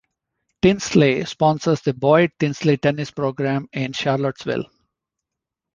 Tinsley sponsors the Boyd Tinsley Tennis Program in Charlottesville.